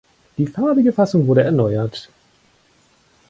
Die farbige Fassung wurde erneuert.